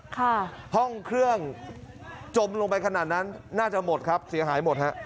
ห้องเครื่องจมลงไปขนาดนั้นน่าจะหมดครับเสียหายหมดฮะ